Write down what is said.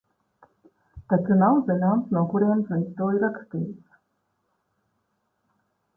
Taču nav zināms, no kurienes viņš to ir rakstījis.